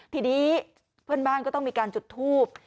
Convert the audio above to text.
ทีนี้เพื่อนบ้านก็ต้องมีการจุดทูบ